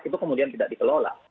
itu kemudian tidak dikelola